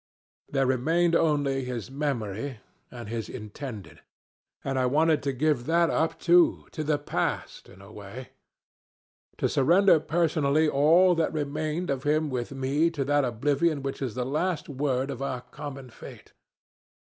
There remained only his memory and his Intended and I wanted to give that up too to the past, in a way, to surrender personally all that remained of him with me to that oblivion which is the last word of our common fate.